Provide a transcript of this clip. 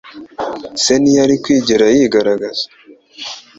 Se ntiyari kwigera yigaragaza.